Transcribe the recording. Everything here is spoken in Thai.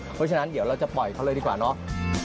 เพราะฉะนั้นเดี๋ยวเราจะปล่อยเขาเลยดีกว่าเนาะ